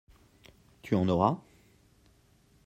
Tu en auras ?